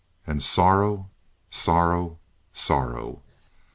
And sorrow, sorrow, sorrow.